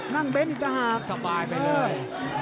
นั่งเบ้นเข้าสไตล์ไปเลย